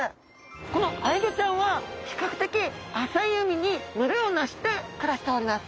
このアイギョちゃんは比較的浅い海に群れをなして暮らしております。